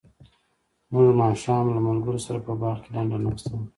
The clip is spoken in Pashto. موږ ماښام له ملګرو سره په باغ کې لنډه ناسته وکړه.